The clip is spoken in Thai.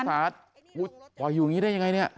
สาปล่อยอยู่อย่างนี้ได้ยังไงเนี่ย